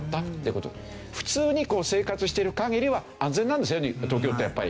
普通に生活している限りは安全なんですよ東京ってやっぱり。